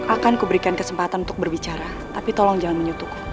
akanku berikan kesempatan untuk berbicara tapi tolong jangan menyutuhku